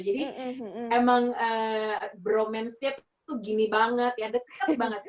jadi emang bromance nya tuh gini banget ya